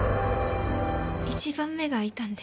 一番目がいたんです。